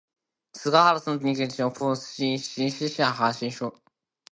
勾陳牽滯之神，朱雀文明之神